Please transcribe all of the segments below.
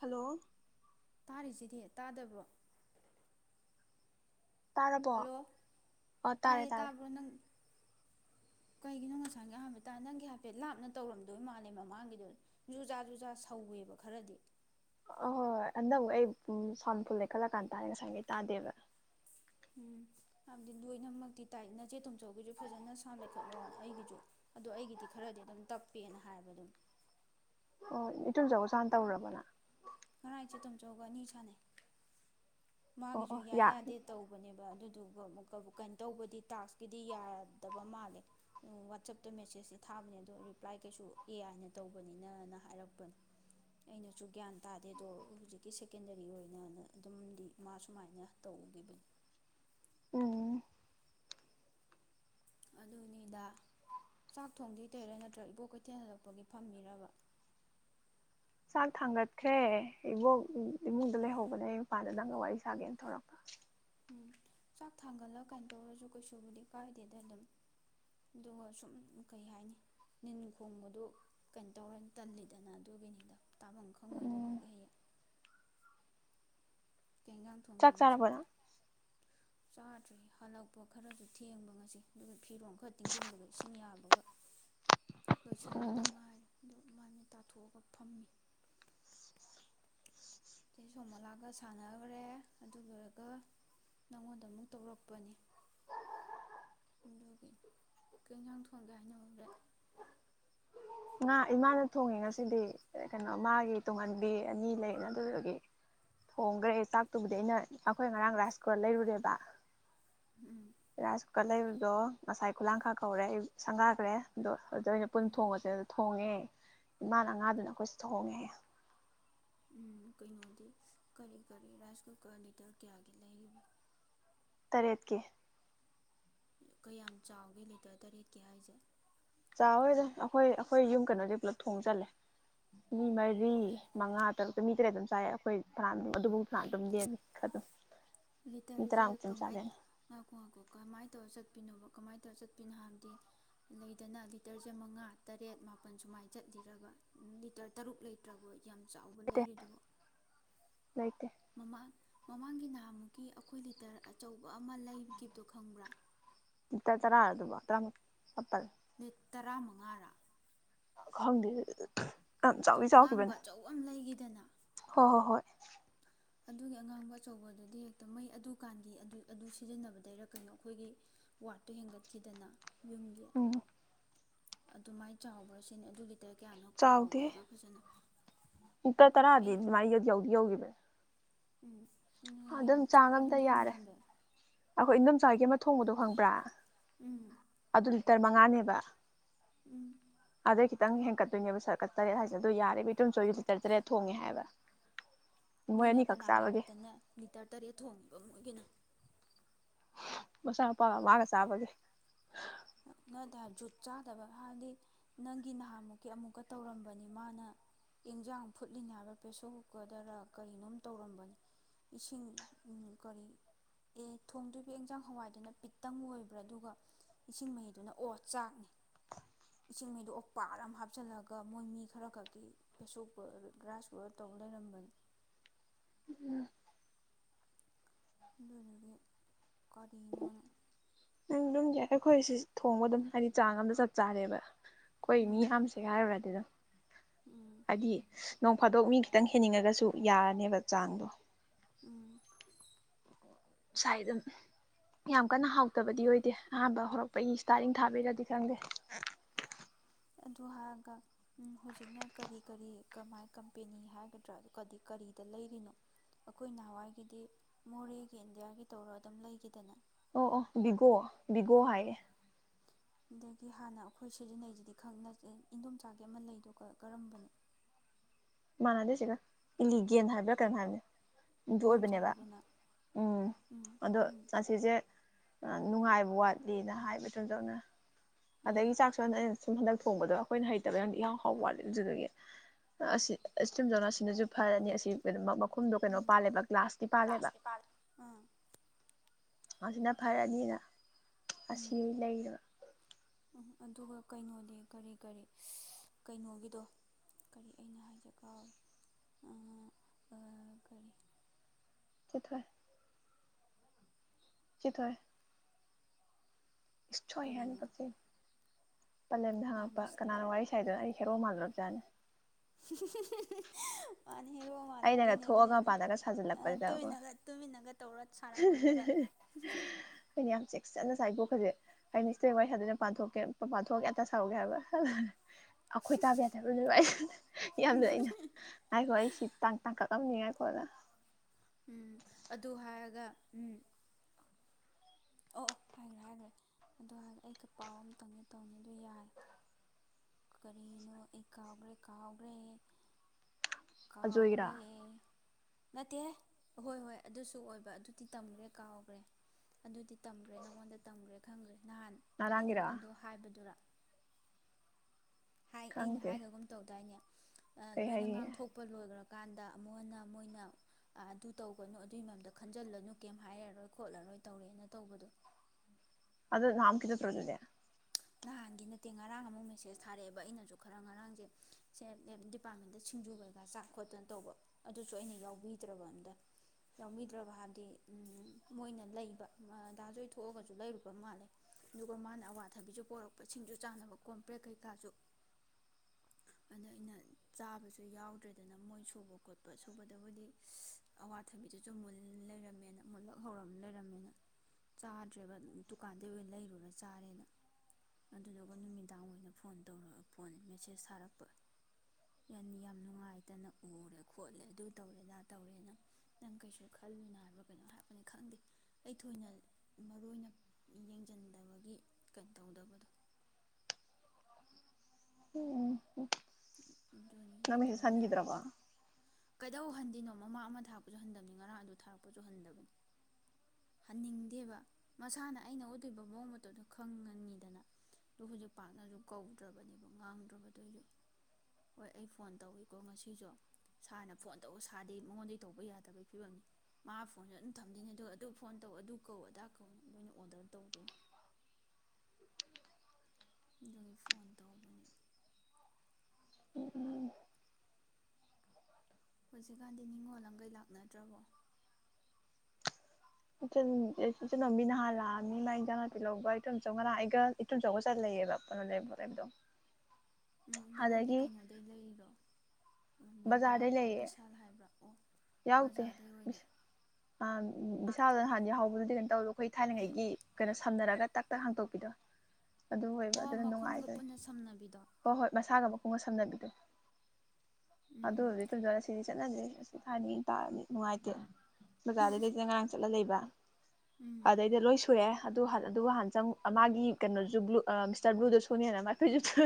Hello ꯇꯥꯔꯤꯁꯤꯗꯤ ꯇꯥꯗꯕ꯭ꯔꯣ ꯇꯥꯔꯕꯣ ꯍꯜꯂꯣ ꯑ ꯇꯥꯔꯦ ꯇꯥꯏꯌꯦ ꯇꯥꯔꯦ ꯇꯥꯕ꯭ꯔꯣ ꯅꯪ ꯀꯩꯔꯤꯒꯤꯅꯣ ꯉꯁꯥꯒꯩ ꯑꯍꯥꯟꯕꯗ ꯇꯥ ꯅꯪꯒꯤ ꯍꯥꯏꯐꯦꯠ ꯂꯥꯞꯅ ꯇꯧꯔꯝꯗꯣꯏ ꯃꯥꯜꯂꯦ ꯃꯃꯥꯡꯒꯤꯗꯣ ꯖꯨꯖꯥ ꯖꯨꯖꯥ ꯁꯧꯋꯦꯕ ꯈꯔꯗꯤ ꯑꯍꯣꯏ ꯍꯣꯏ ꯍꯟꯗꯃꯨꯛ ꯑꯩ ꯁꯥꯎꯟ ꯐꯨꯜ ꯂꯩꯈꯠꯂꯥ ꯀꯟꯗ ꯇꯥꯏ ꯉꯁꯥꯏꯒꯩ ꯇꯥꯗꯦꯕ ꯎꯝ ꯍꯥꯏꯕꯗꯤ ꯂꯣꯏꯅꯃꯛꯇꯤ ꯇꯥꯏ ꯅꯆꯦ ꯇꯨꯝꯆꯧꯕꯤꯒꯤꯁꯨ ꯐꯖꯅ ꯁꯥꯎꯟꯗ ꯂꯩꯈꯠꯂꯣ ꯑꯩꯒꯤꯁꯨ ꯑꯗꯣ ꯑꯩꯒꯤꯗꯤ ꯈꯔꯗꯤ ꯑꯗꯨꯝ ꯇꯞꯄꯦꯅ ꯍꯥꯏꯕ ꯑꯗꯨꯝ ꯑꯣ ꯏꯗꯣꯝꯆꯥꯒꯁꯨ ꯍꯥꯟꯅ ꯇꯧꯔꯕ ꯅꯪ ꯉꯔꯥꯡ ꯏꯆꯦ ꯇꯣꯝꯆꯧꯒ ꯑꯅꯤ ꯁꯥꯟꯅꯩ ꯑꯣ ꯃꯥꯒꯤꯁꯨ ꯑꯣ ꯌꯥꯏ ꯌꯥ ꯌꯥꯗꯦ ꯇꯧꯕꯅꯦꯕ ꯑꯗꯨ ꯑꯗꯨꯒ ꯃꯨꯛꯀ ꯀꯩꯅꯣ ꯇꯧꯕꯗꯤ ꯇꯥꯛꯁꯀꯤꯗꯤ ꯌꯥꯗꯕ ꯃꯥꯜꯂꯦ ꯋꯥꯆꯞꯇ ꯃꯦꯁꯦꯁꯇꯤ ꯊꯥꯕꯅꯦ ꯑꯗꯣ ꯔꯤꯄ꯭ꯂꯥꯏ ꯀꯩꯁꯨ ꯑꯦ ꯏꯥꯏ ꯅ ꯇꯧꯕꯅꯤꯅ ꯍꯥꯏꯔꯛꯄꯅꯦ ꯑꯩꯅꯁꯨ ꯒ꯭ꯌꯥꯟ ꯇꯥꯗꯦ ꯑꯗꯣ ꯍꯧꯖꯤꯛꯀꯤ ꯁꯦꯀꯦꯟꯗꯔꯤ ꯑꯣꯏꯅ ꯑꯗꯨꯝꯗꯤ ꯃꯥ ꯁꯨꯃꯥꯏꯅ ꯇꯧꯒꯤꯕ ꯎꯝ ꯑꯗꯨꯅꯤꯗ ꯆꯥꯛ ꯊꯣꯡꯗꯩ ꯇꯩꯏꯔꯣ ꯅꯠꯇ꯭ꯔ ꯏꯕꯣꯛ ꯀꯩꯊꯦꯜ ꯍꯜꯂꯛꯄꯒꯤ ꯐꯝꯃꯤꯔꯕ ꯆꯥꯛ ꯊꯥꯡꯒꯠꯈ꯭ꯔꯦ ꯏꯕꯣꯛ ꯏꯃꯨꯡꯗ ꯂꯩꯍꯧꯕꯅꯦ ꯑꯩ ꯃꯄꯥꯟꯗ ꯅꯪꯒ ꯋꯥꯔꯤ ꯁꯥꯒꯦꯅ ꯊꯣꯔꯛꯄ ꯎꯝ ꯆꯥꯛ ꯊꯥꯡꯒꯠꯂ ꯀꯩꯟ ꯇꯧꯔꯁꯨ ꯀꯩꯁꯨꯕꯨꯗꯤ ꯀꯥꯏꯗꯦꯗ ꯗꯨꯝ ꯑꯗꯨꯒ ꯁꯨꯝ ꯀꯩ ꯍꯥꯏꯅꯤ ꯅꯤꯟ ꯈꯣꯡꯕꯗꯣ ꯀꯩꯅꯣ ꯇꯧꯔꯅꯤ ꯇꯜꯂꯤꯗꯅ ꯑꯗꯨꯒꯤꯅꯤꯗ ꯇꯥꯚꯝ ꯎꯝ ꯈꯪꯉꯣꯏꯗꯕꯒꯤ ꯍꯌꯦꯡ ꯀꯩ ꯍꯦꯟꯖꯥꯡ ꯆꯥꯛ ꯊꯣꯡꯗꯣꯏꯕ ꯆꯥꯔꯕꯣ ꯆꯥꯛꯅ ꯅꯪ ꯆꯥꯗꯔ꯭ꯤ ꯍꯜꯂꯛꯄ ꯈꯔꯁꯨ ꯊꯦꯡꯕ ꯉꯁꯤ ꯑꯗꯨꯒꯤ ꯐꯤꯔꯣꯡ ꯈꯨꯠ ꯇꯤꯡꯁꯤꯟꯕꯒ ꯏꯁꯤꯡ ꯌꯥꯕ [unintelligible] ꯂꯣꯏꯁꯤꯟꯕꯗ ꯎꯝ ꯉꯥꯏꯔꯤ ꯑꯗꯨ ꯃꯥꯏ-ꯃꯤꯠ ꯇꯥꯊꯣꯛꯑꯒ ꯐꯝꯃꯤ ꯆꯦ ꯁꯣꯃꯣꯂꯥꯒ ꯁꯥꯟꯅꯧꯔꯦ ꯑꯗꯨ ꯂꯣꯏꯔꯒ ꯅꯪꯉꯣꯟꯗ ꯑꯃꯨꯛ ꯇꯧꯔꯛꯄꯅꯤ ꯑꯗꯨꯒꯤ ꯀꯩ ꯍꯦꯟꯖꯥꯡ ꯊꯣꯡꯒꯦ ꯍꯥꯏꯅꯣ [unintelligible] ꯉꯥ ꯏꯃꯥꯅ ꯊꯣꯡꯉꯦ ꯉꯁꯤꯗꯤ ꯀꯩꯅꯣ ꯃꯥꯒꯤ ꯇꯨꯡꯍꯟꯕꯤ ꯑꯅꯤ ꯂꯩꯅ ꯑꯗꯨꯗꯒꯤ ꯊꯣꯡꯈ꯭ꯔꯦ ꯆꯥꯛꯇꯨꯕꯨꯗꯤ ꯑꯩꯅ ꯑꯩꯈꯣꯏ ꯉꯔꯥꯡ ꯔꯥꯏꯁ ꯀꯨꯀꯔ ꯂꯩꯔꯨꯔꯦꯕ ꯎꯝ ꯔꯥꯏꯁ ꯀꯨꯀꯔ ꯂꯩꯌꯨ ꯗꯣ ꯉꯁꯥꯏ ꯈꯨꯂꯥꯡꯈꯥꯡ ꯀꯧꯔꯦ ꯑꯌꯨꯛ ꯁꯪꯒꯥꯈ꯭ꯔꯦ ꯑꯗꯣ ꯑꯗꯨꯗ ꯑꯣꯏꯅ ꯄꯨꯟ ꯎꯝ ꯊꯣꯡꯉꯁꯦ ꯑꯗꯨ ꯉꯦ ꯏꯃꯥꯅ ꯉꯥꯗꯨꯅ ꯑꯩꯈꯣꯏꯁꯤ ꯊꯣꯡꯉꯦ ꯎꯝ ꯀꯩꯅꯣꯗꯤ ꯀꯔꯤ ꯀꯔꯤ ꯔꯥꯏꯁ ꯀꯨꯀꯔ ꯂꯤꯇꯔ ꯀꯌꯥꯒꯤ ꯂꯩꯔꯤꯕ ꯔꯦꯠꯀꯤ ꯀꯌꯥꯝ ꯆꯥꯎꯒꯦ ꯂꯤꯇꯔ ꯇꯔꯦꯠꯀꯤ ꯍꯥꯏꯁꯦ ꯆꯥꯎꯏꯗ ꯑꯩꯈꯣꯏ ꯑꯩꯈꯣꯏ ꯌꯨꯝ ꯀꯩꯅꯣꯁꯦ ꯄꯨꯂꯞ ꯊꯣꯡ ꯆꯜꯂꯦ ꯃꯤ ꯃꯔꯤ ꯃꯉꯥ ꯇꯔꯨꯛꯇ ꯃꯤ ꯇꯔꯦꯠ ꯑꯗꯨꯝ ꯆꯥꯏ ꯑꯩꯈꯣꯏ ꯐꯅꯥꯝ ꯑꯗꯨꯝ ꯂꯦꯝꯃꯦ ꯈ ꯗꯨꯝ ꯂꯤꯇꯔꯁꯦ ꯀꯃꯥꯏ ꯉꯥꯏꯈꯣ ꯉꯥꯏꯈꯣ ꯀꯃꯥꯏ ꯇꯧꯔ ꯆꯠ [unintelligible] ꯀꯃꯥꯏ ꯇꯧꯔ ꯆꯠꯄꯤꯅꯣ ꯍꯥꯏꯕꯗꯤ ꯂꯩꯗꯅ ꯂꯤꯇꯔꯁꯦ ꯃꯉꯥ ꯇꯔꯦꯠ ꯃꯥꯄꯟ ꯁꯨꯃꯥꯏꯅ ꯆꯠꯂꯤꯔꯕ ꯂꯤꯇꯔ ꯇꯔꯨꯛ ꯂꯩꯇ꯭ꯔꯕꯣ ꯌꯥꯝ ꯆꯥꯎꯕ ꯂꯩꯔꯤꯗꯨꯕꯨ ꯂꯩꯇꯦ ꯃꯃꯥꯡ ꯃꯃꯥꯡꯒꯤ ꯅꯍꯥꯃꯨꯛꯀꯤ ꯑꯩꯈꯣꯏ ꯂꯤꯇꯔ ꯑꯆꯧꯕ ꯑꯃ ꯂꯩꯒꯤꯗꯣ ꯈꯪꯕ꯭ꯔꯥ ꯇꯔ ꯇꯔꯥ ꯔꯥ ꯗꯨꯕꯣ ꯇꯔ꯭ꯪ ꯃꯄꯟ ꯃꯤꯠ ꯇꯔꯥꯃꯉꯥꯔ ꯈꯪꯗꯦ ꯌꯥꯝ ꯆꯥꯎꯗꯤ ꯑꯉꯥꯡꯕ ꯆꯥꯎꯒꯤꯕꯅꯦ ꯑꯆꯧꯕ ꯑꯃ ꯂꯩꯈꯤꯗꯅ ꯍꯣ ꯍꯣ ꯍꯣꯏ ꯑꯗꯨꯒꯤ ꯑꯉꯥꯡꯕ ꯑꯆꯧꯕꯗꯨꯗꯤ ꯍꯦꯛꯇ ꯃꯩ ꯑꯗꯨꯀꯥꯟꯒꯤ ꯑꯗꯨ ꯁꯤꯖꯤꯟꯅꯕꯗꯩꯔ ꯀꯩꯅꯣ ꯑꯩꯈꯣꯏꯒꯤ ꯋꯥꯔꯗꯠꯇꯣ ꯍꯦꯟꯒꯠꯈꯤꯗꯅ ꯑꯣ ꯑꯗꯨꯃꯥꯏ ꯆꯥꯎꯕ꯭ꯔꯥ ꯁꯤꯅꯤ ꯑꯗꯨꯒꯤ [unintelligible] ꯀꯌꯥꯅꯣ ꯀꯥꯎꯈ꯭ꯔꯦꯕ ꯐꯖꯅ ꯎꯛꯇꯔ ꯇꯔꯥꯗꯤ ꯑꯩ ꯑꯗꯨꯃꯥꯏ ꯌꯩꯗꯤ ꯌꯧꯒꯤꯕꯅꯦ ꯎꯝ ꯅꯣꯏ ꯌꯥꯝ ꯑꯗꯨꯝ ꯆꯥꯡ ꯑꯝꯗ ꯆꯥꯎꯔꯝꯗꯣꯏ ꯌꯥꯔꯦ ꯃꯥꯟꯕ ꯑꯩꯈꯣꯏ ꯏꯗꯣꯝꯆꯥꯒꯤ ꯑꯃ ꯊꯣꯡꯕꯗꯣ ꯈꯪꯕ꯭ꯔꯥ ꯎꯝ ꯑꯗꯨ ꯇꯔ ꯃꯉꯥꯅꯦꯕ ꯎꯝ ꯗꯩ ꯈꯤꯇꯪ ꯍꯦꯟꯒꯠꯇꯣꯏꯅꯦꯕ ꯁꯀꯠ ꯇꯔꯦꯠ ꯍꯥꯏꯁꯦ ꯑꯗꯨ ꯌꯥꯔꯦꯈꯩ ꯇꯨꯝ ꯁꯣꯏ ꯂꯤꯇꯔ ꯇꯔꯦꯠ ꯊꯣꯡꯉꯦ ꯍꯥꯏꯕ ꯃꯣꯏ ꯃꯣꯏꯅ ꯑꯅꯤꯈꯛ ꯀꯅꯥ ꯆꯥꯕꯒꯤ ꯂꯥꯛꯇꯅ ꯂꯤꯇꯔ ꯇꯔꯦꯠ ꯊꯣꯡꯉꯤꯕ ꯃꯣꯏꯒꯤꯅ ꯃꯆꯥꯥ ꯅꯨꯄꯥ ꯃꯥꯒ ꯆꯥꯕꯒꯤ ꯗꯦ ꯖꯨꯠ ꯆꯥꯗꯕ ꯍꯥꯏꯗꯤ ꯅꯪꯒꯤ ꯅꯍꯥꯃꯨꯛꯀꯤ ꯑꯃꯨꯛꯀ ꯇꯧꯔꯝꯕꯅꯤ ꯃꯥꯅ ꯑꯦꯟꯖꯥꯡ ꯐꯨꯠꯂꯤꯅꯤ ꯍꯥꯏꯕ ꯄ꯭ꯦꯁꯨꯝ ꯀꯨꯀꯔꯗꯔ ꯀꯔꯤꯅꯣꯝ ꯇꯧꯔꯝꯕꯅꯤ ꯏꯁꯤꯡ ꯀꯔꯤ ꯑꯦ ꯊꯣꯡꯗꯣꯏꯕ ꯏꯟꯖꯥꯡ ꯍꯋꯥꯏꯗꯨꯅ ꯄꯤꯠꯇꯪ ꯑꯣꯏꯕ꯭ꯔꯥ ꯑꯗꯨꯒ ꯏꯁꯤꯡ ꯃꯩꯗꯨꯅ ꯑꯣ ꯆꯥꯛꯅꯤ ꯏꯁꯤꯡ ꯃꯩꯗꯨ ꯑꯣ ꯄꯥꯔ ꯑꯃ ꯍꯥꯞꯆꯤꯜꯂꯒ ꯃꯣꯏ ꯃꯤ ꯈꯔ ꯈꯛꯀꯤ ꯄ꯭ꯔꯦꯁꯔ ꯀꯨꯀꯔ ꯔꯥꯏꯁ ꯀꯨꯀꯔ ꯇꯧ ꯂꯩꯔꯝꯕꯅꯤ ꯑꯗꯨꯒꯤꯗꯤ ꯀꯔꯤꯅꯣꯅ ꯅꯪ ꯑꯗꯨꯝ ꯌꯥꯏꯈꯩ ꯈꯣꯏꯁꯤ ꯊꯣꯡꯕ ꯑꯗꯨꯝ ꯍꯥꯏꯗꯤ ꯆꯥꯡ ꯑꯝꯗ ꯆꯞ ꯆꯥꯔꯦꯕ ꯀꯣꯏ ꯃꯤ ꯎꯝ ꯌꯥꯝꯁꯦ ꯍꯥꯏꯔꯨꯔ ꯑꯗꯝ ꯎꯝ ꯑꯗꯤ ꯅꯣꯡ ꯐꯥꯗꯣꯛ ꯃꯤ ꯈꯤꯇꯪ ꯍꯦꯟꯅꯤꯡꯉꯒꯁꯨ ꯌꯥꯔꯅꯦꯕ ꯆꯥꯡꯗꯣ ꯎꯝ ꯉꯁꯥꯏ ꯑꯗꯨꯝ ꯌꯥꯝ ꯀꯟꯅ ꯍꯥꯎꯇꯕꯗꯤ ꯑꯣꯏꯗꯦ ꯑꯍꯥꯟꯕ ꯍꯧꯔꯛꯄꯒꯤ ꯏꯁꯇꯥꯔꯤꯡ ꯊꯥꯕꯤꯔꯗꯤ ꯈꯪꯗꯦ ꯑꯗꯨ ꯍꯥꯏꯔꯒ ꯍꯧꯖꯤꯛꯅ ꯀꯔꯤ ꯀꯔꯤ ꯀꯃꯥꯏ ꯀꯝꯄꯦꯅꯤ ꯍꯥꯏꯒꯗ꯭ꯔꯥ ꯀꯗꯤ ꯀꯔꯤꯗ ꯂꯩꯔꯤꯅꯣ ꯑꯩꯈꯣꯏ ꯅꯍꯥꯟꯋꯥꯏꯒꯤꯗꯤ ꯃꯣꯔꯦꯒꯤ ꯏꯟꯗꯤꯌꯥꯒꯤ ꯇꯧꯔ ꯑꯗꯨꯝ ꯂꯩꯈꯤꯗꯅ ꯑꯣ ꯑꯣ ꯕꯤꯒꯣ ꯕꯤꯒꯣ ꯍꯥꯏꯌꯦ ꯑꯗꯒꯤ ꯍꯥꯟꯅ ꯑꯩꯈꯣꯏ ꯁꯤꯖꯤꯟꯅꯩꯁꯤꯗꯤ ꯈꯪ ꯅꯦ ꯏꯟꯗꯣꯝ ꯆꯥꯒꯦ ꯑꯃ ꯂꯩꯗꯣꯒ ꯀ ꯀꯔꯝꯕꯅꯣ ꯃꯥꯟꯅꯗꯦ ꯁꯤꯒ ꯏꯂꯤꯒꯦꯜ ꯍꯥꯏꯕ꯭ꯔꯥ ꯀꯩꯅꯣ ꯍꯥꯏꯕꯅꯦ ꯑꯗꯨ ꯑꯣꯏꯕꯅꯦꯕ ꯏꯟꯗꯣꯝꯆꯥꯒꯤꯗꯨꯅ ꯎꯝ ꯎꯝ ꯑꯗꯣ ꯎꯝ ꯑꯁꯤꯁꯦ ꯅꯨꯡꯉꯥꯏꯕ ꯋꯥꯠꯂꯤꯅ ꯍꯥꯏꯕ ꯗꯨꯗꯧꯅ ꯎꯝ ꯑꯗꯩ ꯆꯥꯛꯁꯨ ꯁꯨꯝ ꯍꯟꯗꯛ ꯊꯣꯡꯕꯗ ꯑꯩꯈꯣꯏꯅ ꯍꯩꯇꯕꯔ ꯈꯪꯗꯦ ꯏꯍꯥꯎ ꯍꯥꯎ ꯋꯥꯠꯂꯦ ꯑꯗꯨꯗꯒꯤ ꯑꯁꯤ ꯏꯁꯇꯨꯝꯖꯧꯅꯥ ꯑꯁꯤꯅꯁꯨ ꯐꯔꯅꯤ ꯑꯁꯤ ꯀꯝꯃꯛ ꯃꯈꯨꯝꯗꯣ ꯀꯩꯅꯣ ꯎꯝ ꯄꯥꯜꯂꯦꯕ ꯒ꯭ꯂꯥꯁꯀꯤ ꯄꯥꯜꯂꯦꯕ ꯑꯥ ꯁꯤꯅ ꯐꯔꯅꯤꯅ ꯎꯝ ꯑꯁꯤ ꯂꯩꯔꯕ ꯎꯝ ꯑꯗꯨꯒ ꯀꯩꯅꯣꯗꯤ ꯀꯔꯤ ꯀꯔꯤ ꯀꯩꯅꯣꯒꯤꯗꯣ ꯀꯔꯤ ꯑꯩꯅ ꯍꯥꯏꯖ ꯀꯥꯎꯔꯦ ꯀꯔꯤ ꯆꯠꯊꯣꯛ ꯑꯦ ꯆꯠꯊꯣꯏ ꯏꯁ ꯁꯣꯏꯌꯥ ꯅꯤ ꯀꯔꯤꯅꯣ ꯀꯛꯇꯦ ꯄꯂꯦꯝꯗ ꯃꯥꯅ ꯍꯪꯉꯛꯄ ꯀꯅꯥꯅ ꯋꯥꯔꯤ ꯁꯥꯏꯗꯣ ꯑꯩ ꯈꯦꯔꯣ ꯃꯥꯜꯂꯨꯔꯝ ꯆꯅꯤ [inaudible] ꯍꯦꯔꯣ ꯑꯩꯅꯒ ꯃꯥꯜꯂꯝꯅꯤꯅꯦ ꯊꯣꯛꯑꯒ ꯑꯗꯨꯅꯅꯦ ꯃꯄꯥꯟꯗꯒ ꯇꯨꯃꯤꯟꯅ ꯇꯨꯃꯤꯟꯅꯒ ꯇꯧꯔ ꯁꯥꯔꯛꯄꯗꯨꯗ ꯑꯩꯩꯅ ꯌꯥꯝ ꯆꯦꯛ ꯆꯠꯅ ꯆꯥꯏ ꯄꯣꯛꯈꯁꯦ ꯍꯥꯏꯅꯤ ꯏꯁꯇ ꯋꯥꯔꯤ ꯁꯥꯗꯣꯏꯅꯦ ꯃꯄꯥꯟꯊꯣꯛꯀꯦ ꯄꯥꯟꯊꯣꯛꯑꯒꯦ ꯑꯝꯇ ꯁꯥꯎꯔꯧꯒꯦ ꯍꯥꯏꯕ ꯑꯈꯣꯏ ꯇꯥꯕ ꯌꯥꯗꯕ ꯂꯩꯕ ꯑꯩ ꯌꯥꯝꯅ ꯑꯩꯅ ꯉꯥꯏꯈꯣ ꯑꯩ ꯁꯤ ꯇꯥꯡ ꯇꯥꯡꯀꯛ ꯑꯝꯅꯤꯉꯥꯏ ꯀꯣꯟꯅ ꯎꯝ ꯑꯗꯨ ꯍꯥꯏꯔꯒ ꯎꯝ ꯑꯣ-ꯑꯣ ꯍꯥꯏꯈ꯭ꯔꯦ - ꯍꯥꯏꯈ꯭ꯔꯦ ꯑꯗꯨ ꯑꯩꯒ ꯄꯥꯎ ꯑꯃ ꯇꯝꯒꯦ ꯇꯧꯅꯤ ꯑꯗꯨ ꯌꯥꯔꯦ ꯀꯔꯤꯅꯣ ꯑꯩ ꯀꯥꯎꯒꯔꯦ - ꯀꯥꯎꯒꯔꯦ ꯫ ꯑꯖꯣꯏꯒꯤꯔꯥ ꯀꯥꯎꯒꯔꯦ ꯫ ꯅꯠꯇꯦ ꯑ ꯍꯣꯏ - ꯍꯣꯏ ꯑꯗꯨꯁꯨ ꯑꯣꯏꯕ ꯑꯗꯨꯗꯤ ꯇꯝꯈ꯭ꯔꯦ ꯀꯥꯎꯈ꯭ꯔꯦ ꯑꯗꯨꯗꯤ ꯇꯝꯒꯔꯦ ꯅꯪꯉꯣꯟꯗ ꯇꯝꯒ꯭ꯔꯦ꯫ ꯅꯍꯥꯟ ꯑꯩꯅ ꯉꯔꯥꯡꯒꯤꯔꯥ ꯑꯗꯣ ꯍꯥꯏꯕꯗꯨꯔ? ꯍꯥꯏ ꯑꯩꯅ ꯈꯪꯗꯦ ꯍꯥꯏꯒꯒꯨꯝ ꯇꯧꯗꯥꯏꯅꯦ? ꯀꯩ ꯂꯣꯏꯅ ꯍꯥꯏꯈꯤꯒꯦ ꯉꯥꯡꯊꯣꯛꯄ ꯂꯣꯏꯒꯔꯝ ꯫ ꯀꯥꯟꯗ ꯑꯃꯨꯛ ꯍꯟꯅ ꯃꯣꯏꯅ ꯑꯗꯨ ꯇꯧꯒꯅꯨ ꯑꯗꯨꯒꯤ ꯃꯔꯝꯗ ꯈꯟꯖꯤꯜꯂꯅꯨ ꯀꯩꯝ ꯍꯥꯏꯔꯔꯣꯏ ꯈꯣꯠꯂꯔꯣꯏ ꯇꯧꯔꯦꯅ ꯇꯧꯕꯗꯣ꯫ ꯑꯗ ꯅꯍꯥꯟ ꯃꯨꯛꯀꯤꯗꯣ ꯅꯠꯇꯔꯣ ꯑꯗꯨꯗꯤ꯫ ꯅꯍꯥꯟꯒꯤ ꯅꯠꯇꯦ ꯉꯔꯥꯡ ꯑꯃꯨꯛ ꯃꯦꯁꯦꯁ ꯊꯥꯔꯛꯑꯦꯕ ꯑꯩꯅꯁꯨ ꯈꯔ ꯉꯔꯥꯡꯁꯦ ꯁꯦ ꯗꯤꯄꯥꯔꯠꯃꯦꯟꯗ ꯁꯤꯡꯖꯨꯕꯒ ꯆꯥꯛ ꯈꯣꯠꯇꯅ ꯇꯧꯕ ꯑꯗꯨꯁꯨ ꯑꯩꯅ ꯌꯥꯎꯕꯤꯗ꯭ꯔꯕ ꯑꯝꯗ ꯌꯥꯎꯕꯤꯗ꯭ꯔꯕ ꯍꯥꯏꯕꯗꯤ ꯃꯣꯏꯅ ꯂꯩꯕ ꯗꯥꯖꯣꯏ ꯊꯣꯛꯑꯒꯁꯨ ꯂꯩꯔꯨꯕ ꯃꯥꯜꯂꯦ ꯑꯗꯨꯒ ꯃꯥꯅ ꯑꯋꯥꯊꯕꯤꯖꯨ ꯄꯣꯔꯛꯄ ꯁꯤꯡꯖꯨ ꯆꯥꯅꯕ ꯀꯣꯝꯄ꯭ꯔꯦꯛ ꯀꯩꯀꯥꯁꯨ ꯑꯗ ꯑꯩꯅ ꯆꯥꯕꯁꯨ ꯌꯥꯎꯗ꯭ꯔꯦꯗꯅ ꯃꯣꯏ ꯁꯨꯕ ꯈꯣꯠꯄ ꯁꯨꯕꯗꯕꯨꯗꯤ ꯑꯋꯥꯊꯕꯤꯗꯨꯁꯨ ꯃꯨꯟ ꯂꯩꯔꯝꯃꯦꯅ ꯃꯨꯜꯂꯛ ꯍꯧꯔ ꯂꯩꯔꯝꯃꯦꯅ ꯆꯥꯗ꯭ꯔꯦꯕ ꯗꯨꯀꯥꯟꯗꯩ ꯑꯣꯏꯅ ꯂꯩꯔꯨꯔ ꯆꯥꯔꯦꯅ꯫ ꯑꯗꯨꯗꯨꯒ ꯅꯨꯃꯤꯗꯥꯡ ꯑꯣꯏꯅ ꯐꯣꯟ ꯇꯧꯔ ꯐꯣꯟ ꯃꯦꯁꯦꯖ ꯊꯥꯔꯛꯄ ꯌꯥꯅꯤ ꯌꯥꯝ ꯅꯨꯡꯉꯥꯏꯇꯅ ꯎꯔꯦ ꯈꯣꯠꯂꯦ ꯑꯗꯨ ꯇꯧꯔꯦ ꯑꯥꯗꯥ ꯇꯧꯔꯦꯅ ꯅꯪ ꯀꯩꯁꯨ ꯈꯜꯂꯨꯅ ꯍꯥꯏꯕ꯭ꯔꯥ ꯀꯩꯅꯣ ꯍꯥꯏꯕꯅꯤ ꯈꯪꯗꯦ ꯑꯩ ꯊꯣꯏꯅ ꯃꯔꯨ ꯑꯣꯏꯅ ꯌꯦꯡꯁꯤꯟꯗꯕꯒꯤ ꯀꯩꯅꯣ ꯇꯧꯗꯕꯗꯣ ꯎꯝ꯫ ꯑꯗꯨꯅꯤꯗ ꯅꯪ ꯃꯤꯁꯦꯖ ꯍꯟꯒꯤꯗꯔ꯭ꯕꯣ? ꯀꯩꯗꯧ ꯍꯟꯗꯣꯏꯅꯣ ꯃꯃꯥ ꯑꯃ ꯊꯥꯔꯛꯄꯁꯨ ꯍꯟꯗꯕꯅꯤ ꯉꯔꯥꯡ ꯑꯗꯨ ꯊꯥꯔꯛꯄꯁꯨ ꯍꯟꯗꯕꯅꯤ ꯍꯟꯅꯤꯡꯗꯦꯕ ꯃꯁꯥꯅ ꯑꯩꯅ ꯎꯠꯂꯤꯕ ꯃꯑꯣꯡ ꯃꯇꯧꯗꯣ ꯈꯪ ꯉꯟꯉꯤꯗꯅ ꯑꯗꯨ ꯍꯧꯖꯤꯛ ꯄꯥꯛꯅꯁꯨ ꯀꯧꯗ꯭ꯔꯕꯅꯦꯕ ꯉꯥꯡꯗ꯭ꯔꯕꯗꯨꯁꯨ ꯍꯣꯏ ꯑꯩ ꯐꯣꯟ ꯇꯧꯏꯤꯀꯣ ꯉꯁꯤꯁꯨ ꯁꯥꯔꯅ ꯐꯣꯟ ꯇꯧ ꯁꯥꯔꯗꯤ ꯃꯉꯣꯟꯗꯒꯤꯩ ꯇꯧꯕ ꯌꯥꯗꯕꯒꯤ ꯐꯤꯕꯝꯅꯤ ꯃꯥ ꯐꯣꯟꯁꯨ ꯑꯗꯨꯝ ꯊꯝꯗꯣꯏꯅꯤ ꯑꯗꯨꯒ ꯑꯗꯨ ꯐꯣꯟ ꯇꯧ ꯑꯗꯨ ꯀꯧ ꯑꯗꯥ ꯀꯧ ꯅꯣꯏꯅ ꯑꯣꯗꯔ ꯇꯧꯗꯣꯏꯅꯦ꯫ ꯑꯗꯨꯒꯤ ꯐꯣꯟ ꯇꯧꯕꯅꯦ꯫ ꯎꯝ ꯍꯧꯖꯤꯛꯀꯥꯟꯗꯤ ꯅꯤꯉꯣꯜꯈꯩ ꯂꯥꯛꯅꯗ꯭ꯔꯕꯣ? ꯏꯤꯆꯤꯜꯅꯥꯎ ꯃꯤ ꯅꯍꯥꯟꯂꯛꯑꯅꯤꯅ ꯏꯟꯖꯥꯡ ꯅꯥꯄꯤꯤ ꯂꯧꯕ ꯏꯇ ꯑꯆꯧ ꯉꯔꯥꯡ ꯑꯩꯒ ꯏꯇꯨꯝꯆꯧꯒ ꯆꯠ ꯂꯩꯌꯦꯕ ꯂꯩꯕꯗꯣ꯫ ꯎꯝ ꯅꯪꯒꯤ ꯑꯗꯒꯤ ꯀꯩꯅꯣꯗꯩ ꯂꯩꯔꯤꯔꯣ? ꯃꯦꯒꯥ ꯕꯖꯥꯔꯗꯩ ꯂꯩꯌꯦ ꯕꯤꯚꯤꯁꯥꯜ ꯍꯥꯏꯕ꯭ꯔꯥ ꯑꯣ! ꯌꯥꯎꯗꯦ ꯕꯖꯥꯔꯗꯩ ꯑꯣꯏꯅ ꯑꯥ ꯕꯤꯁꯥꯜꯗ ꯅꯍꯥꯟ ꯌꯥꯍꯥꯎꯕꯗꯨꯗꯤ ꯀꯩꯅꯣ ꯇꯧꯗꯣ ꯑꯩꯈꯣꯏ ꯎꯝ ꯊꯥꯏꯅꯉꯩꯒꯤ ꯀꯩꯅꯣ ꯁꯝꯅꯔꯒ ꯇꯛ ꯇꯛ ꯍꯥꯡꯇꯣꯛ ꯄꯤꯗꯣ ꯑꯗꯨ ꯑꯣꯏꯕ ꯑꯣ ꯑꯗꯨꯅ ꯃꯈꯨꯝꯒ ꯅꯨꯡꯉꯥꯏꯗꯣꯏꯅꯤ ꯄꯨꯟꯅ ꯁꯝꯅꯕꯤꯗꯣ ꯍꯣꯏ - ꯍꯣꯏ ꯃꯁꯥꯒ ꯃꯈꯣꯡ ꯒꯥ ꯁꯥ ꯁꯝꯅꯕꯤꯗꯣ꯫ ꯑꯗꯨ ꯎꯝ ꯑꯣꯏ [unintelligible] ꯁꯤꯗꯤ ꯆꯠꯅꯗꯔ꯭ꯦꯌꯦ꯫ ꯊꯥꯅꯤꯡ ꯇꯥꯔꯗꯤ ꯅꯨꯡꯉꯥꯏꯇꯦ꯫ ꯕꯖꯥꯔꯗꯒꯤ ꯑꯩꯖ ꯉꯔꯥꯡ ꯆꯠꯂ ꯂꯩꯕ꯫ ꯑꯗꯩꯗ ꯂꯣꯏ ꯊꯣꯛꯑꯦ ꯑꯗꯨ ꯑꯗꯨꯒ ꯍꯥꯟꯅ ꯆꯪ ꯃꯥꯒꯤ ꯀꯩꯅꯣꯁꯨ ꯕ꯭ꯂꯨ ꯃꯤꯁꯇꯔ ꯕ꯭ꯂꯨꯗ ꯁꯨꯅꯦꯅ ꯃꯥꯏꯈꯨꯁꯨ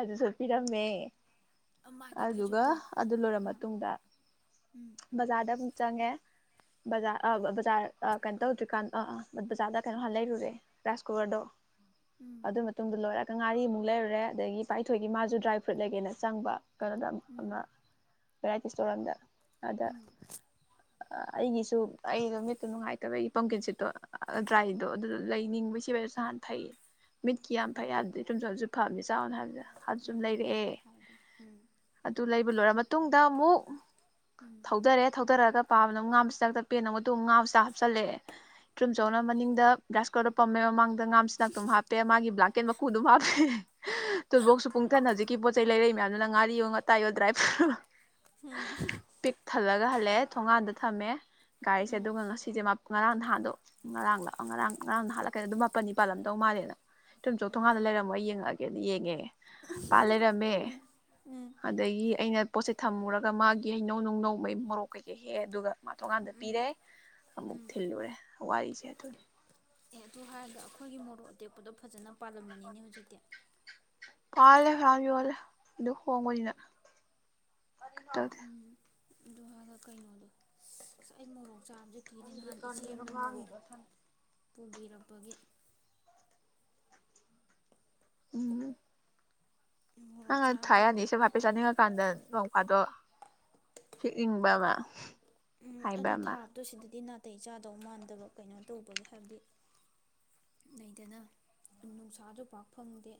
ꯑꯗꯨꯁꯨ ꯄꯤꯔꯝꯃꯦ꯫ ꯎꯝ ꯃꯥꯒꯤ ꯑꯗꯨꯒ ꯐꯩꯖꯨꯞꯇꯣ ꯑꯗꯨ ꯂꯣꯏꯔꯕ ꯑꯥ ꯃꯇꯨꯡꯗ ꯎꯝ ꯕꯥꯖꯥꯔꯗꯥ ꯑꯃꯨꯛ ꯆꯥꯡ ꯉꯦ꯫ ꯕꯖꯥꯔ ꯑꯥ ꯕꯖꯥꯔ ꯀꯩꯅꯣ ꯇꯧꯗ꯭ꯔꯤꯀꯥꯟꯗ ꯑ ꯕꯖꯥꯔꯗ ꯀꯩꯅꯣ ꯍꯥꯟꯅ ꯂꯩꯔꯨꯔꯦ ꯔꯥꯏꯁ ꯀꯨꯀꯔꯗꯣ꯫ ꯎꯝ ꯑꯗꯨ ꯃꯇꯨꯡꯗ ꯂꯣꯏꯔꯦ꯫ ꯀꯉꯥꯔꯤꯃꯨꯛ ꯂꯩꯔꯨꯔꯦ ꯑꯗꯒꯤ ꯄꯥꯏꯊꯣꯛꯏꯒꯤ ꯃꯥꯁꯨ ꯗ꯭ꯔꯥꯏ ꯐ꯭ꯔꯨꯠ ꯂꯩꯒꯦꯅ ꯆꯪꯕ ꯀꯩꯅꫭꯗ ꯑꯝ ꯎꯝ ꯑꯃ ꯚꯦꯔꯥꯏꯇꯤ ꯁꯇꯣꯔ ꯑꯝꯗ ꯑꯗ ꯎꯝ ꯑ ꯑꯩꯒꯤꯁꯨ ꯑꯩꯗꯨ ꯃꯤꯠꯇꯨ ꯅꯨꯡꯉꯥꯏꯇꯕꯩ ꯄꯝꯀꯤꯟ ꯁꯤꯠꯇꯣ ꯑ ꯗ꯭ꯔꯥꯏꯗꯣ ꯑꯗꯨꯗꫭ ꯂꯩ ꯅꯤꯡꯕꯩ ꯁꯤꯕꯁꯨ ꯍꯥꯟ ꯊꯩꯌꯦ ꯃꯤꯠꯀꯤ ꯌꯥꯝ ꯐꯩ ꯍꯥꯏꯕꯗꯤ ꯊꯨꯝꯖꯥꯖꯨ ꯐꯕꯅꯤ ꯆꯥꯎꯅ ꯍꯥꯏꯕꯗ ꯑꯗ ꯎꯝ ꯁꯨꯝ ꯎꯝ ꯎꯝ ꯎꯝ ꯂꯩꯔꯛꯑꯦ ꯍꯥꯏꯕꯅꯤ ꯑꯗꯨ ꯂꯩ ꯂꯣꯏꯔ ꯃꯇꯨꯡꯗ ꯑꯃꯨꯛ ꯎꯝ ꯊꯧꯗꯔꯦ ꯊꯧꯗꯔꯒ ꯄꯥꯕꯅ ꯑꯃꯨꯛ ꯉꯥ ꯃꯆꯥꯛ ꯇꯞꯄꯛꯑꯦꯅ ꯑꯗꯨꯃꯨꯛ ꯉꯥ ꯃꯆꯥ ꯆꯠꯂꯛꯑꯦ ꯇ꯭ꯔꯨꯝ ꯆꯧꯅ ꯎꯝ ꯃꯅꯤꯡꯗ ꯔꯥꯏꯁ ꯀꯨꯀꯔꯗ ꯄꯝꯃꯦ ꯃꯃꯥꯡ ꯗ ꯉꯥ ꯃꯁꯤꯟꯅ ꯇꯨꯝ ꯍꯥꯞꯄꯦ ꯃꯥꯒꯤ ꯕꯂꯥ ꯀꯩꯅ ꯃꯀꯨꯗꯨꯝ ꯍꯥꯞꯄ ꯍꯦ ꯍ ꯇꯨꯜꯕꫭꯛꯁꯁꯨ ꯄꯨꯡꯊꯟ ꯍꯧꯖꯤꯛꯀꯤ ꯄꯣ ꯆꯩ ꯂꯩꯔꯛ ꯎ ꯃꯌꯥꯝꯗꯨꯅ ꯉꯥꯔꯤꯌꯣ ꯉꯥꯛꯇꯥꯏꯌꯣ ꯗ꯭ꯔꯥꯏ ꯐ꯭ꯔꯨꯠ ꯑꫭ ꯎꯝ [unintelligible] ꯄꯤꯛ ꯊꯜꯂꯒ ꯍꯜꯂꯛꯑꯦ ꯊꯣꯡꯉꯥꯟꯗ ꯊꯝꯃꯦ ꯒꯥꯔꯤꯁꯦ ꯎꯝ ꯑꯗꯨꯒ ꯉꯁꯤꯁꯦ ꯃ ꯉꯔꯥꯡ ꯅꯍꯥꯟꯗꯣ ꯉꯔꯥꯡꯂꯥ ꯑꯣ ꯉꯔꯥꯡ ꯉꯔꯥꯡ ꯅꯍꯥꯟꯂꯥ ꯀꯩꯅꫭ ꯑꯗꯨ ꯃꯥꯄꯟꯅꯤ ꯄꯜꯂꯝ ꯗꯧ ꯃꯥꯜꯂꯦꯅ ꯊꯨꯝꯆꯣꯛ ꯊꯣꯡꯉꯥꯟꯅ ꯂꯩꯔꯝꯃꫭ ꯑꯩ ꯌꯦꯡꯉꯛ ꯀꯦꯅ ꯌꯦꯡꯉꯦ ꯄꯥꯜ ꯂꯩꯔꯝꯃꯦ ꯎꯝ ꯎꯝ ꯑꯗꯒꯤ ꯑꯩꯅ ꯄꯣꯠꯁꯦ ꯊꯝꯃꯨꯔꯒ ꯃꯥꯒꯤ ꯍꯩꯅꯧ ꯅꯨꯡꯅꯧ ꯃꯩ ꯃꯣꯔꯣꯛ ꯀꯩꯀꯩ ꯍꯦꯛꯑꯦ ꯑꯗꯨꯒ ꯃꯥ ꯊꫭꯡꯒꯥꯟꯗ ꯎꯝ ꯄꯤꯔꯦ ꯑꯃꯨꯛ ꯎꯝ ꯊꯤꯜꯂꯨꯔꯦ ꯋꯥꯔꯤꯁꯦ ꯑꯗꯨꯅꯤ ꯑꯦ ꯑꯗꯨ ꯍꯥꯏꯔꯒ ꯑꯈꯣꯏꯒꯤ ꯃꯣꯔꯣꯛ ꯑꯇꯦꯛꯄꯗꯣ ꯐꯖꯅ ꯄꯥꯜꯂꯝꯃꯅꯤꯅꯦ ꯍꯧꯖꯤꯛꯇꯤ ꯄꯥꯜꯂꯦ ꯐꯌꯥꯝ ꯌꫭꯜꯂꯦ ꯗꯨ ꯍꫭꯡꯕꯅꯤꯅ ꯎꯝ ꯑꯗꯨ ꯍꯥꯒ ꯀꯩꯅꯣꯗꯣ ꯁ ꯑꯩ ꯃꯣꯔꯣꯡꯇꫭ ꯆꯥꯕꯁꯦ ꯀꯤꯔꯦ ꯅꯍꯥꯟ ꯏꯆꯦꯅ ꯃꯣꯔꯣꯛ ꯄꯨꯕꯤꯔꯛꯄꯒꯤ ꯎꯝ ꯅ ꯃꯣꯔꯣꯛ ꯍꯥ ꯊꯥ ꯆꯥꯕꯗꯒꯤ ꯑꯩ ꯌꯗꯦꯄꯩꯁꯥ ꯆꯪꯉꯛꯀꯥꯟꯗ [unintelligible] ꯑꯗꯣ ꯍꯤꯛꯅꯤꯡꯕ ꯑꯃ ꯎꯝ ꯍꯥꯏꯕ ꯑꯗꯨ ꯑꯃ ꯊꯥꯕꯗꯣ ꯁꯤꯗꯗꯤ ꯅꯥꯇꯩ ꯆꯥꯗꯧ ꯃꯥꯟꯗꯕ ꯀꯩꯅꯣ ꯇꯧꯕꯒꯤ ꯍꯥꯏꯕꯗꯤ ꯂꯩꯗꯅ ꯅꯨꯡꯁꯥꯁꯨ ꯄꯥꯛ ꯐꯪꯗꯦ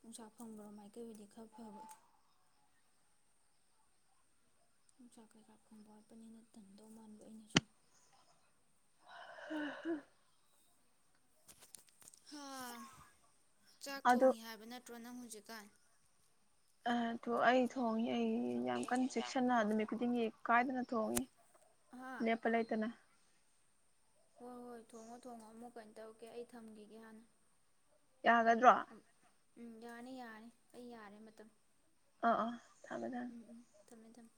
ꯅꯨꯡꯁꯥ ꯐꯪꯕ꯭ꯔ ꯃꯥꯏꯀꯩ ꯑꯣꯏꯗꯤ ꯈꯔ ꯐꯕ ꯅꯨꯡꯁꯥ ꯀꯩꯀꯥ ꯐꯣꯡꯕ ꯋꯥꯠꯄꯅꯤꯅ ꯇꯟꯗꯧ ꯃꯥꯟꯕ ꯑꯩꯅ ꯁꯨꯝ ꯍ ꯆꯥꯛ ꯑꯗꯣ ꯊꯣꯡꯉꯤ ꯍꯥꯏꯕ ꯅꯠꯇ꯭ꯔꯣ ꯅꯪꯍꯨ ꯖꯤꯀꯥꯟ ꯑ ꯇꯣ ꯑꯩ ꯊꯣꯉꯤ ꯑꯩ ꯌꯥꯝ ꯀꯟ ꯆꯦꯛꯁꯟꯅ ꯑꯗꯨꯃꯤ ꯈꯨꯗꯤꯡꯒꯤ ꯀꯥꯏꯗꯅ ꯊꯣꯡꯏ ꯍꯥ ꯂꯦꯞꯄꯂꯩꯇꯅ ꯍꯣꯏ ꯍꯣꯏ ꯊꯣꯡꯉꯣ ꯊꯣꯡꯉꯣ ꯑꯃꯨꯛ ꯀꯩꯅ ꯇꯧꯔꯀꯦ ꯑꯩ ꯊꯝꯈꯤꯒꯦ ꯍꯥꯟꯅ ꯌꯥꯒꯗ꯭ꯔꯣ ꯎꯝ ꯌꯥꯅꯤ ꯌꯥꯔꯅꯤ ꯑꯩ ꯌꯥꯔꯦ ꯃꯇꯝ ꯑꯥ ꯑꯥ ꯊꯝꯃꯦ ꯊꯝꯃꯦ ꯎꯝ ꯎꯝ ꯊꯃꯦ ꯊꯝꯃꯦ